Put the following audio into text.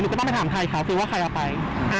ก็ต้องไปถามไทยเขาคือว่าใครเอาไป